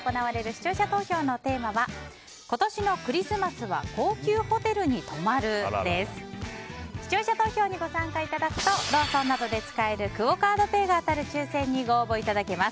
視聴者投票にご参加いただくとローソンなどで使えるクオ・カードペイが当たる抽選にご応募いただけます。